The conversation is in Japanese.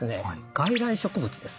外来植物です。